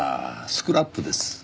スクラップです。